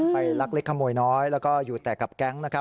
ลักเล็กขโมยน้อยแล้วก็อยู่แต่กับแก๊งนะครับ